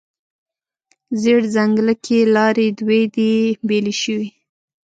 زیړ ځنګله کې لارې دوې دي، بیلې شوې